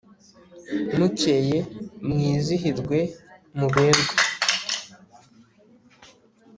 mukeye mwizihirwe muberwe